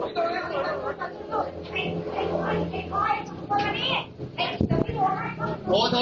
โทรลำบายนะ